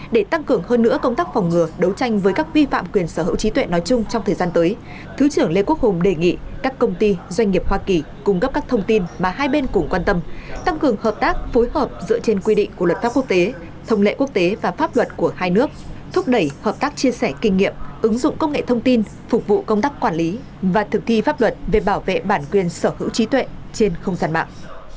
để tăng cường hơn nữa công tác phòng ngừa đấu tranh với các vi phạm quyền sở hữu trí tuệ nói chung trong thời gian tới thứ trưởng lê quốc hùng đề nghị các công ty doanh nghiệp hoa kỳ cung cấp các thông tin mà hai bên cũng quan tâm tăng cường hợp tác phối hợp dựa trên quy định của luật pháp quốc tế thông lệ quốc tế và pháp luật của hai nước thúc đẩy hợp tác chia sẻ kinh nghiệm ứng dụng công nghệ thông tin phục vụ công tác quản lý và thực thi pháp luật về bảo vệ bản quyền sở hữu trí tuệ trên không gian mạng